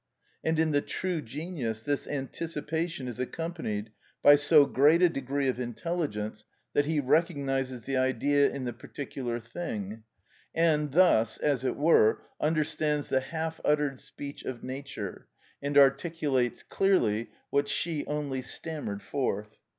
And in the true genius this anticipation is accompanied by so great a degree of intelligence that he recognises the Idea in the particular thing, and thus, as it were, understands the half uttered speech of nature, and articulates clearly what she only stammered forth.